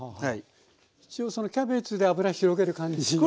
一応そのキャベツで油広げる感じですね。